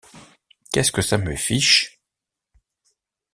Qu’est-ce que ça me fiche?